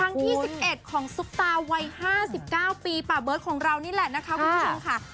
ที่๑๑ของซุปตาวัย๕๙ปีป่าเบิร์ตของเรานี่แหละนะคะคุณผู้ชมค่ะ